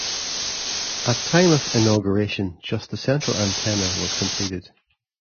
At time of inauguration just the central antenna was completed.